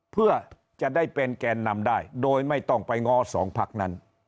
เพื่อจะได้เป็นแกนนำได้โดยไม่ต้องไปง้อสองพักนั้น